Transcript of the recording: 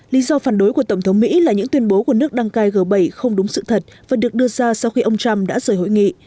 lý do phản đối của tổng thống mỹ là những tuyên bố của nước đăng cai g bảy không đúng sự thật và được đưa ra sau khi ông trump đã rời hội nghị